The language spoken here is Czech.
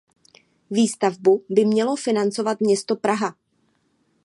Výstavbu by mělo financovat město Praha.